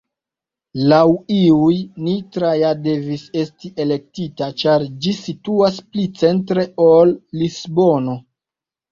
Laŭ iuj, Nitra ja devis esti elektita ĉar ĝi situas pli 'centre' ol Lisbono.